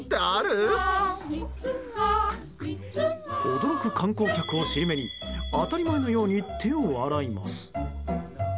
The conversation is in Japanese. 驚く観光客をしり目に当たり前のように手を洗います。